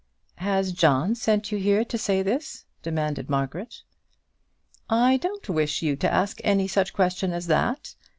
"Has John sent you here to say this?" demanded Margaret. "I don't wish you to ask any such question as that.